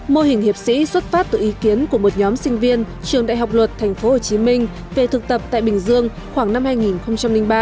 mô hình hiệp sĩ xuất phát từ ý kiến của một nhóm sinh viên trường đại học luật tp hcm về thực tập tại bình dương khoảng năm hai nghìn ba